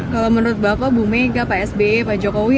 kalau menurut bapak bu mega pak sby pak jokowi